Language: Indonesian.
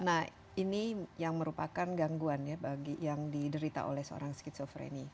nah ini yang merupakan gangguan ya bagi yang diderita oleh seorang skizofreni